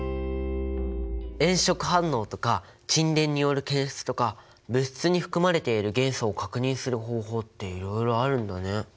炎色反応とか沈殿による検出とか物質に含まれている元素を確認する方法っていろいろあるんだね。